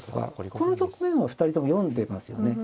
この局面は２人とも読んでますよね。